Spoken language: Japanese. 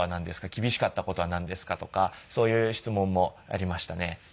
厳しかった事はなんですか？とかそういう質問もありましたね。